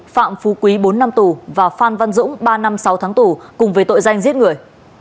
phạm phú quý bốn năm tù và phan văn dũng ba năm sáu tháng tù cùng với tội danh giết người